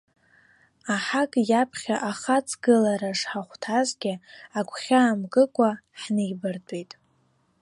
Аҳак иаԥхьа ахаҵгылара шҳахәҭазгьы, агәхьаа мкыкәа ҳнеибартәеит.